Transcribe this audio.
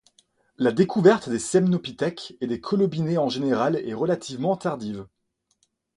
La découverte des semnopithèques, et des colobinés en général, est relativement tardive.